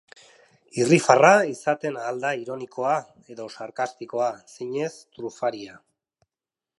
Irrifarra izaten ahal da ironikoa, edo sarkastikoa, zinez trufaria.